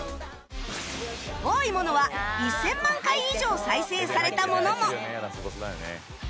多いものは１０００万回以上再生されたものも